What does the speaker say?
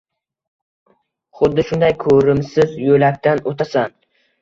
Xuddi shunday ko’rimsiz yo’lakdan o’tasan.